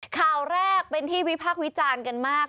ข่าวแรกเป็นที่วิพากษ์วิจารณ์กันมาก